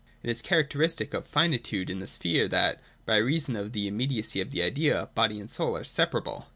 It is characteristic of finitude in this sphere that, by reason of the immediacy of the idea, body and soul are separable.